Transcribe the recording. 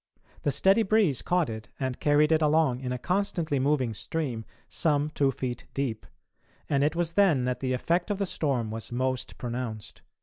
The steady breeze caught it and carried it along in a constantly moving stream some two feet deep, and it was then that the effect of the storm was most pronounced.